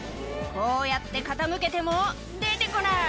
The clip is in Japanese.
「こうやって傾けても出て来ない」